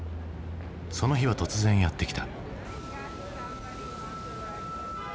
その日は突然やって来た。